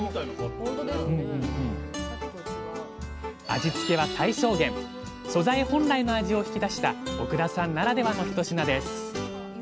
味付けは最小限素材本来の味を引き出した奥田さんならではの一品です